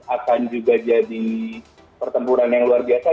akan juga jadi pertempuran yang luar biasa